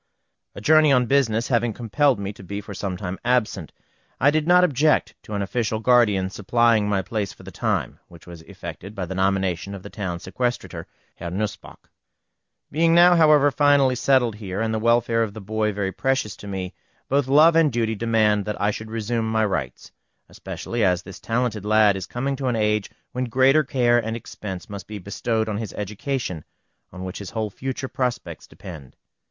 A journey on business having compelled me to be for some time absent, I did not object to an official guardian supplying my place for the time, which was effected by the nomination of the Town Sequestrator, Herr Nussböck. Being now, however, finally settled here, and the welfare of the boy very precious to me, both love and duty demand that I should resume my rights; especially as this talented lad is coming to an age when greater care and expense must be bestowed on his education, on which his whole future prospects depend.